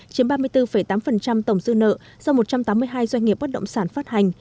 chiếm ba mươi bốn tám tổng dư nợ do một trăm tám mươi hai doanh nghiệp bất động sản phát hành